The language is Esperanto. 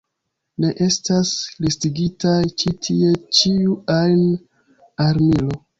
Ne estas listigitaj ĉi tie ĉiu ajn armilo.